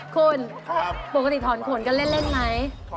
คุณปกติถอนขนกันเล่นไหม